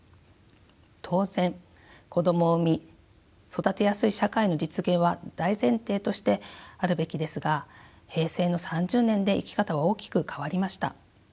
当然子どもを産み育てやすい社会の実現は大前提としてあるべきですが平成の３０年で生き方は大きく変わりました。